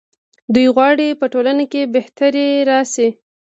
دوی غواړي په ټولنه کې بهتري راشي.